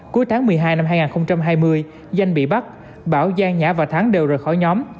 cuối tháng một mươi hai năm hai nghìn hai mươi danh bị bắt bảo gian nhã và thắng đều rời khỏi nhóm